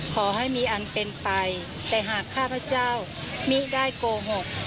ขอให้มีอันเป็นไปแต่หากข้าพเจ้ามิได้โกหก